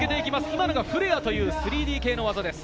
今のがフレアという３Ｄ系の技です。